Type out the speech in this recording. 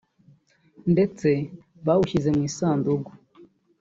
ndetse bawushyize mu isanduku